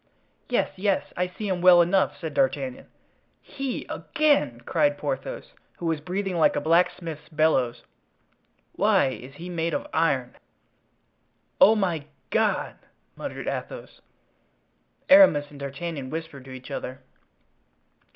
"Yes, yes, I see him well enough," said D'Artagnan. "He—again!" cried Porthos, who was breathing like a blacksmith's bellows; "why, he is made of iron." "Oh, my God!" muttered Athos. Aramis and D'Artagnan whispered to each other.